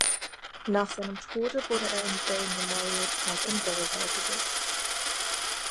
Nach seinem Tode wurde er im "Vail Memorial Park" in Vail beigesetzt.